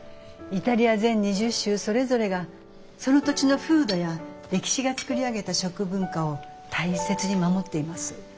イタリア全２０州それぞれがその土地の風土や歴史が作り上げた食文化を大切に守っています。